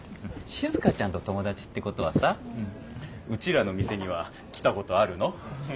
しずかちゃんと友達ってことはさうちらの店には来たことあるの？